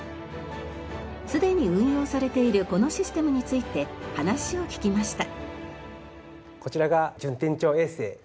すでに運用されているこのシステムについて話を聞きました。